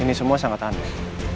ini semua sangat aneh